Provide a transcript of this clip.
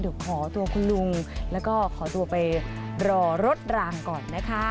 เดี๋ยวขอตัวคุณลุงแล้วก็ขอตัวไปรอรถรางก่อนนะคะ